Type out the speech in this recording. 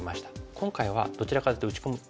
今回はどちらかというと打ち込む高さ。